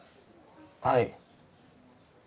はい。